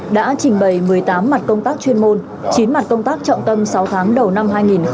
đã trình bày một mươi tám mặt công tác chuyên môn chín mặt công tác trọng tâm sáu tháng đầu năm hai nghìn hai mươi